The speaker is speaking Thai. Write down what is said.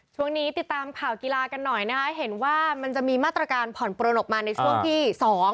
ช่วงนี้ติดตามข่าวกีฬากันหน่อยนะคะเห็นว่ามันจะมีมาตรการผ่อนปลนออกมาในช่วงที่สอง